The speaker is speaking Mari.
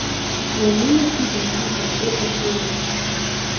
Но нуно тидым вигак огыт ойло.